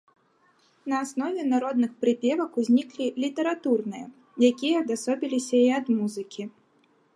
На аснове народных прыпевак узніклі літаратурныя, якія адасобіліся і ад музыкі.